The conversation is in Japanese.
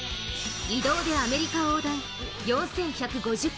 移動でアメリカ横断、４１５０ｋｍ。